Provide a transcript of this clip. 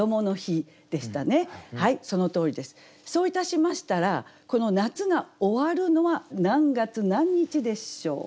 そういたしましたら夏が終わるのは何月何日でしょう？